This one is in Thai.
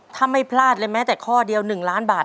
ถ้าไม่พลาดเลยแม้แต่ข้อเดียว๑ล้านบาท